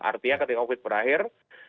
artinya ketika covid berakhir